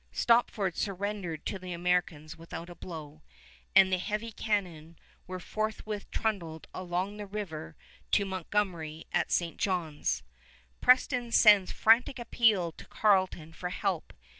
Stopford surrendered to the Americans without a blow, and the heavy cannon were forthwith trundled along the river to Montgomery at St. John's. Preston sends frantic appeal to Carleton for help.